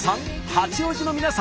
八王子の皆さん